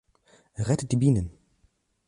Rettet die Bienen!